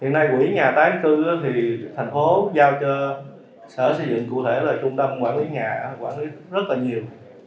hiện nay quỹ nhà tái cư thì thành phố giao cho sở xây dựng cụ thể là trung tâm quản lý nhà quản lý rất là nhiều